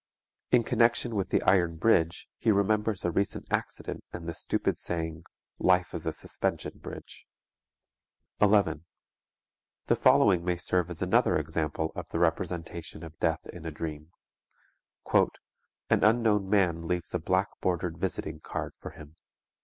In connection with the iron bridge he remembers a recent accident and the stupid saying "Life is a suspension bridge." 11. The following may serve as another example of the representation of death in a dream: "_An unknown man leaves a black bordered visiting card for him.